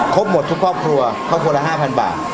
ครบหมดทุกครอบครัวครอบครัวละ๕๐๐บาท